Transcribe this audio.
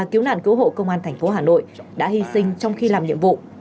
cứu nạn cứu hộ công an thành phố hà nội đã hy sinh trong khi làm nhiệm vụ